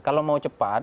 kalau mau cepat